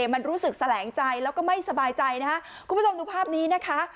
มันรู้สึกแสลงใจแล้วก็ไม่สบายใจนะคะคุณผู้ชมดูภาพนี้นะคะ